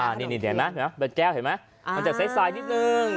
อ่านี่นี่เห็นไหมเห็นไหมแบบแก้วเห็นไหมอ่ามันจะไซส์ไซส์นิดหนึ่ง